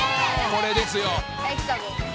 「これですよ」